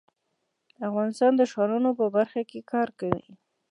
افغانستان د ښارونو په برخه کې کار کوي.